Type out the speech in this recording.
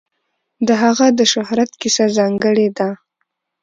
د هغه د شهرت کیسه ځانګړې ده.